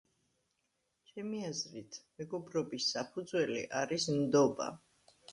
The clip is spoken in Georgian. ჩემი აზრით, მეგობრობის საფუძველი არის ნდობა